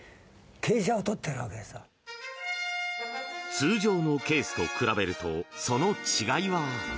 通常のケースと比べるとその違いは？